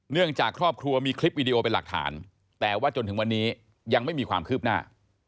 จากครอบครัวมีคลิปวิดีโอเป็นหลักฐานแต่ว่าจนถึงวันนี้ยังไม่มีความคืบหน้า